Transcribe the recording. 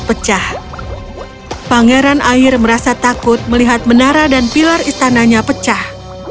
pecah pangeran air merasa takut melihat menara dan pilar istananya pecah